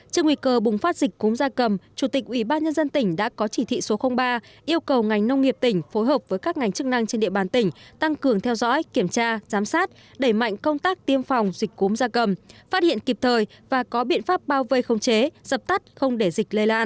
trước nguy cơ bùng phát dịch cúm gia cầm chủ tịch ủy ban nhân dân tỉnh đã có chỉ thị số ba yêu cầu ngành nông nghiệp tỉnh phối hợp với các ngành chức năng trên địa bàn tỉnh tăng cường theo dõi kiểm tra giám sát đẩy mạnh công tác tiêm phòng dịch cúm da cầm phát hiện kịp thời và có biện pháp bao vây không chế dập tắt không để dịch lây lan